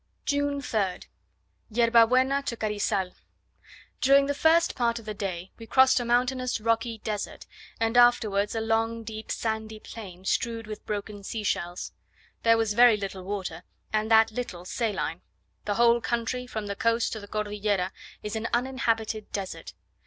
June 3rd. Yerba Buena to Carizal. During the first part of the day we crossed a mountainous rocky desert, and afterwards a long deep sandy plain, strewed with broken sea shells. There was very little water, and that little saline: the whole country, from the coast to the Cordillera, is an uninhabited desert.